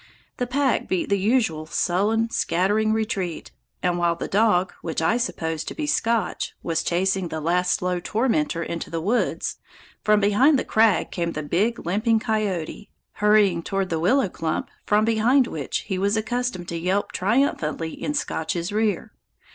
The pack beat the usual sullen, scattering retreat, and while the dog, which I supposed to be Scotch, was chasing the last slow tormenter into the woods, from behind the crag came the big limping coyote, hurrying toward the willow clump from behind which he was accustomed to yelp triumphantly in Scotch's rear.